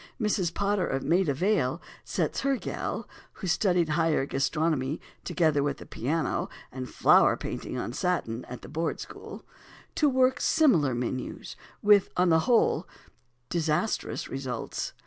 Mrs. Potter of Maida Vale sets her "gal" (who studied higher gastronomy, together with the piano, and flower painting on satin, at the Board School) to work on similar menus with, on the whole, disastrous results.